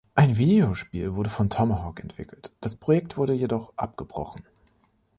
Ein Videospiel wurde von Tomahawk entwickelt, das Projekt wurde jedoch abgebrochen.